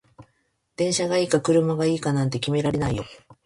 電車がいいか車がいいかなんて決められないよ